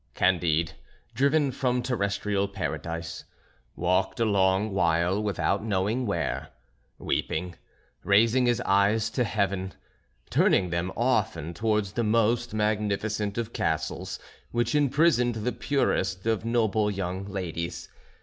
Candide, driven from terrestrial paradise, walked a long while without knowing where, weeping, raising his eyes to heaven, turning them often towards the most magnificent of castles which imprisoned the purest of noble young ladies.